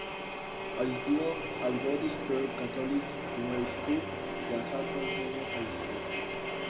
Asistió al "Good Shepherd Catholic Primary School" y al "Hampton Senior High School".